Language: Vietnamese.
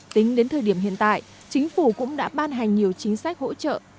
tính đến thời điểm hiện tại chính phủ cũng đã ban hành nhiều chính sách hỗ trợ